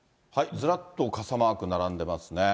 ずらっと傘マーク並んでますね。